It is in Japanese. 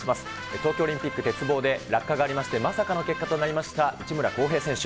東京オリンピック、鉄棒で落下がありまして、まさかの結果となりました内村航平選手。